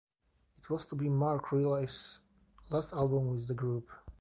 It was to be Marc Riley's last album with the group.